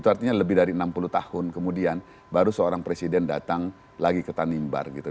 itu artinya lebih dari enam puluh tahun kemudian baru seorang presiden datang lagi ke tanimbar gitu